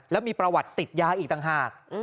แล้วมีประวัติติดยาอีกต่างหาก